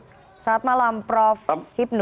selamat malam prof hipnu